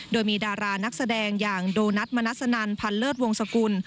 โดยมีดารานักแสดงอย่างโดนัทมนัสนันพันเลิศวงศกุล